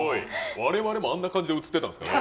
われわれもあんな感じで映ってたんですかね。